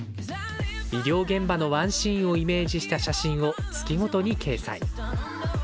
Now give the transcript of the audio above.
医療現場のワンシーンをイメージした写真を、月ごとに掲載。